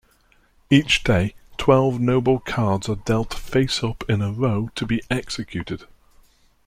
Each day, twelve noble cards are dealt face-up in a row to be executed.